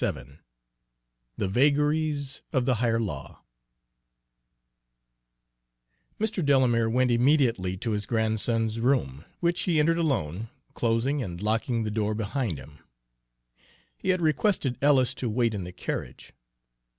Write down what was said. XXVII THE VAGARIES OF THE HIGHER LAW Mr. Delamere went immediately to his grandson's room, which he entered alone, closing and locking the door behind him. He had requested Ellis to wait in the carriage.